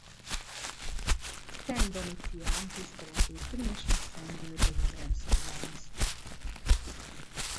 Szent Domicián tiszteletét különösen a Szent György Lovagrend szorgalmazta.